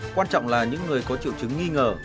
quan trọng là những người có triệu chứng nghi ngờ